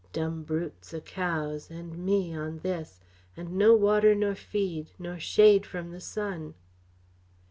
Dumb brutes o' cows, and me on this and no water nor feed, nor shade from the sun."